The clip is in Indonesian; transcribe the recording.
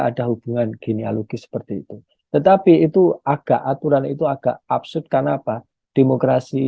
ada hubungan ginealogis seperti itu tetapi itu agak aturan itu agak absud karena apa demokrasi